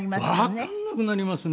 わからなくなりますね。